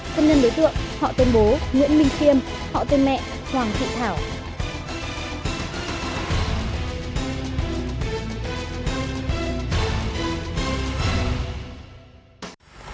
thân nhân đối tượng họ tên bố nguyễn minh thiêm họ tên mẹ hoàng thị thảo